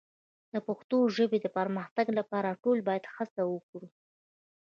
د پښتو ژبې د پرمختګ لپاره ټول باید هڅه وکړو.